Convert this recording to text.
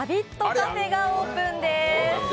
カフェがオープンです。